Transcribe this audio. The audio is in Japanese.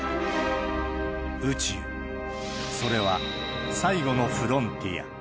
宇宙、それは最後のフロンティア。